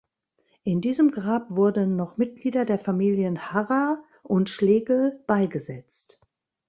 In diesem Grab wurden noch Mitglieder der Familien Harrer und Schlegel beigesetzt.